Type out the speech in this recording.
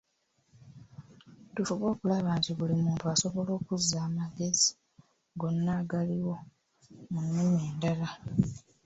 Tufube okulaba nti buli muntu asobola okuza amagezi gonna agaliwo mu nnimi endala.